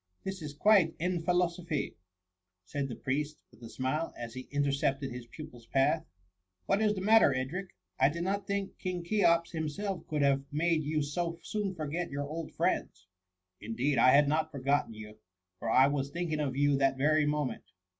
" This is quite en philosopher'* said the priest with a smile, as he intercepted his pupil's path. What is the matter, Edric ? I did not think King Cheops himself could have made you so soon forget your old friends. ^^ Indeed I had not forgotten you, for I was thinking of you that very moment.